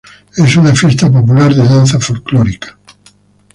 Es una fiesta popular de danza folklórica.